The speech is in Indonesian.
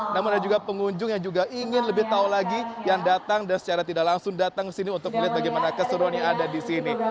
namun ada juga pengunjung yang juga ingin lebih tahu lagi yang datang dan secara tidak langsung datang ke sini untuk melihat bagaimana keseruan yang ada di sini